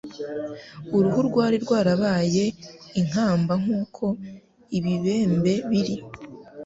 Uruhu rwari rwarabaye inkamba nk'uko ibibembe biri,